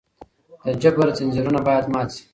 د جبر ځنځيرونه بايد مات سي.